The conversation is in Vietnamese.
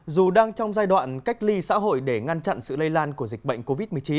dù đang trong giai đoạn cách ly xã hội để ngăn chặn sự lây lan của dịch bệnh covid một mươi chín